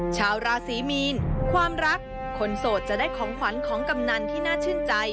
ชาวราศีมีนความรักคนโสดจะได้ของขวัญของกำนันที่น่าชื่นใจ